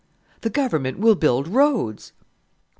"The Government will build roads."